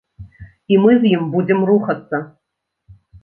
І мы з ім будзем рухацца.